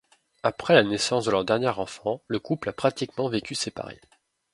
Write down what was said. Après la naissance de leur dernier enfant, le couple a pratiquement vécu séparé.